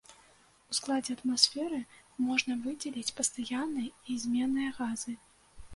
У складзе атмасферы можна выдзеліць пастаянныя і зменныя газы.